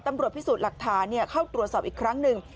ตำรวจพิสูจน์หลักฐานเข้าตรวจสอบอีกครั้งหนึ่ง